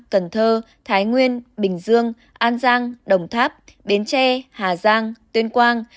cần thơ thái nguyên bình dương an giang đồng tháp bến tre hà giang tuyên quang